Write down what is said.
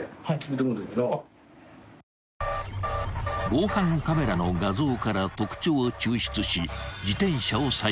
［防犯カメラの画像から特徴を抽出し自転車を再現］